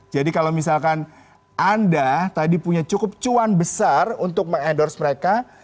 jadi kalau misalkan anda tadi punya cukup cuan besar untuk meng endorse mereka